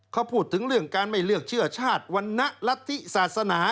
เขาพูดถึงเรื่องการไม่เลือกเชื่อชาติวรรณรัฐธิศาสนา